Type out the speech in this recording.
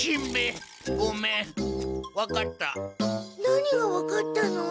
何が分かったの？